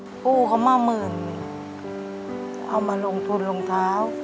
กู้เขามาหมื่นเอามาลงทุนรองเท้า